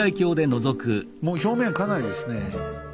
もう表面かなりですね